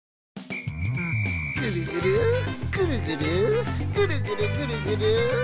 「ぐるぐるぐるぐるぐるぐるぐるぐる」